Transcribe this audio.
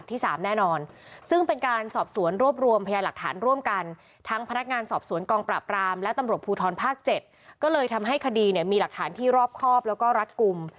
อีกส่วนของพวกแอมป์เนี่ยมีหลักฐานที่รอบครอบแล้วก็รัสกุม